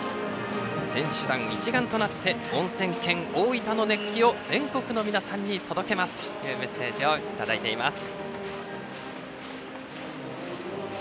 「選手団一丸となっておんせん県大分の熱気を全国の皆さんに届けます」というメッセージをいただいています。